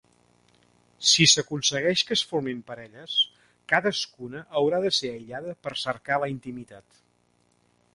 Si s'aconsegueix que es formin parelles, cadascuna haurà de ser aïllada per cercar la intimitat.